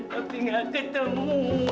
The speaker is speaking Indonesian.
tapi aku ketemu